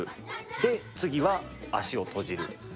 で、次は足を閉じる。